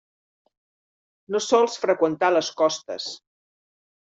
No sols freqüentar les costes.